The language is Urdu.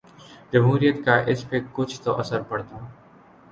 جمہوریت کا اس پہ کچھ تو اثر پڑتا۔